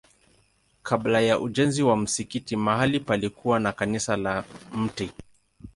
Kabla ya ujenzi wa msikiti mahali palikuwa na kanisa la Mt.